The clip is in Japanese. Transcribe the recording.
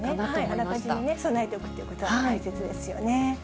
あらかじめ備えておくということが大切ですよね。